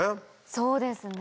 そうですね。